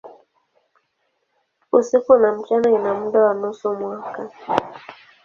Usiku na mchana ina muda wa nusu mwaka.